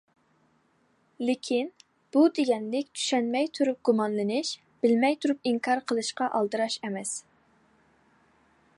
لېكىن، بۇ دېگەنلىك چۈشەنمەي تۇرۇپ گۇمانلىنىش، بىلمەي تۇرۇپ ئىنكار قىلىشقا ئالدىراش ئەمەس.